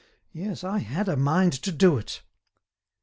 Yes, I had a mind to do it."